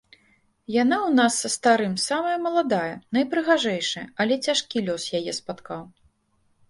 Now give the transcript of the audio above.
Яна ў нас са старым самая маладая, найпрыгажэйшая, але цяжкі лёс яе спаткаў.